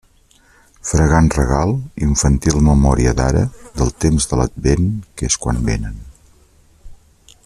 Fragant regal, infantil memòria d'ara, del temps de l'Advent, que és quan vénen.